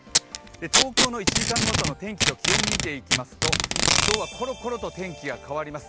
東京の１時間ごとの天気と気温を見ていきますと、今日はころころと天気が変わります。